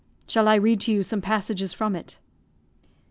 Shall I read to you some passages from it?"